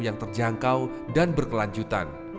yang terjangkau dan berkelanjutan